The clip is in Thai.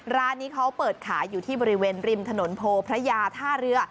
ร้านนี้เขาเปิดขายอยู่ที่บริเวณริมถนนโพพระยาท่าเรือ